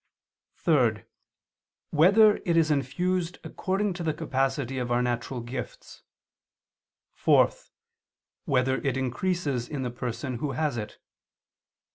(3) Whether it is infused according to the capacity of our natural gifts? (4) Whether it increases in the person who has it?